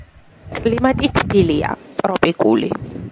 კლიმატი თბილია, ტროპიკული.